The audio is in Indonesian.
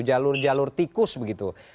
jalur jalur tikus begitu